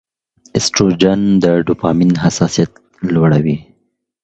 ایسټروجن د ډوپامین حساسیت لوړوي.